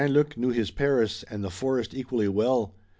Luc knew his Paris and the forest equally well.